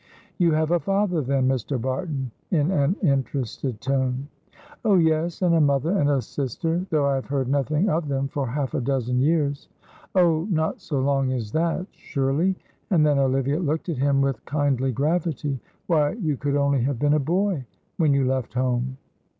"You have a father then, Mr. Barton?" in an interested tone. "Oh, yes, and a mother and a sister, though I have heard nothing of them for half a dozen years." "Oh, not so long as that, surely," and then Olivia looked at him with kindly gravity. "Why, you could only have been a boy when you left home."